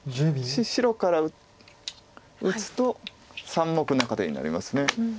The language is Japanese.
白から打つと三目中手になります。